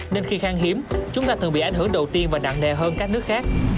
nên khi khang hiếm chúng ta thường bị ảnh hưởng đầu tiên và nặng nề hơn các nước khác